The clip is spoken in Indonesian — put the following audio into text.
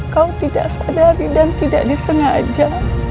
kau tidak sadari dan tidak disengaja